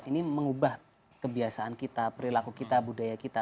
ini mengubah kebiasaan kita perilaku kita budaya kita